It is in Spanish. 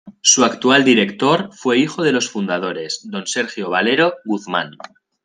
Su actual Director fue hijo de los fundadores, Don Sergio Valero Guzmán.